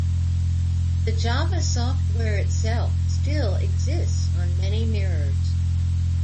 The Java software itself still exists on many mirrors.